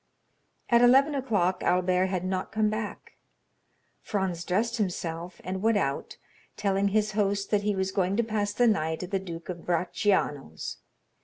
At eleven o'clock Albert had not come back. Franz dressed himself, and went out, telling his host that he was going to pass the night at the Duke of Bracciano's.